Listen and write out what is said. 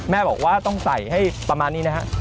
แม่บอกว่าต้องใส่ให้ประมาณนี้นะฮะ